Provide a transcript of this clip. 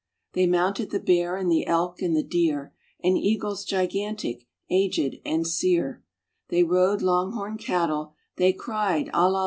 They mounted the bear and the elk and the deer, And eagles gigantic, aged and sere, They rode long horn cattle, they cried "A la la."